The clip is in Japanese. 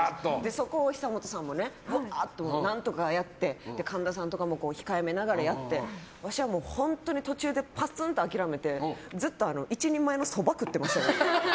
そこを久本さんもぶわーっと何とかやって神田さんとかも控えめながらやって私は本当に途中でぱつんと諦めてずっと１人前のそば食ってましたね。